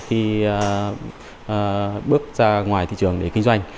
khi bước ra ngoài thị trường để kinh doanh